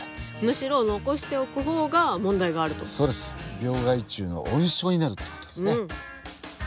病害虫の温床になるって事ですね。